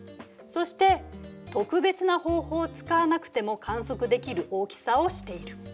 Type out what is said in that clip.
そして特別な方法を使わなくても観測できる大きさをしている。